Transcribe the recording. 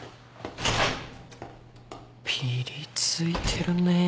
ピリついてるねぇ。